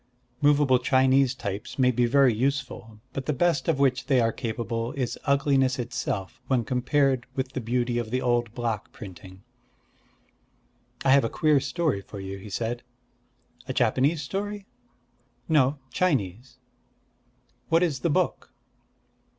Movable Chinese types may be very useful; but the best of which they are capable is ugliness itself when compared with the beauty of the old block printing. "I have a queer story for you," he said. "A Japanese story?" "No, Chinese." "What is the book?"